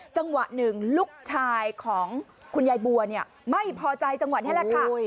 จังหวะหนึ่งลูกชายของคุณยายบัวเนี่ยไม่พอใจจังหวะนี้แหละค่ะ